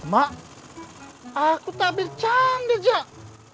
mak aku tak bercanda jak